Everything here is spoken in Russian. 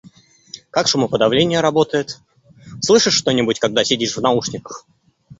Как шумоподавление работает? Слышишь что-нибудь, когда сидишь в наушниках?